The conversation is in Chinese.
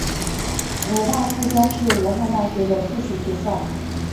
武大附中是武汉大学的附属学校。